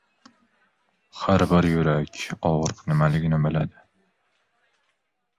• Har bir yurak og‘riq nimaligini biladi.